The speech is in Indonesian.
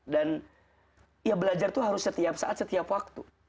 dan ya belajar itu harus setiap saat setiap waktu